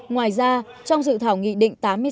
ngoài ra trong dự thảo nghị định tám mươi sáu